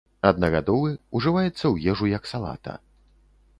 Аднагадовы ўжываецца ў ежу як салата.